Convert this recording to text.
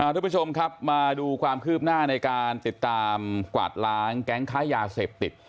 ทุกผู้ชมครับมาดูความคืบหน้าในการติดตามกวาดล้างแก๊งค้ายาเสพติด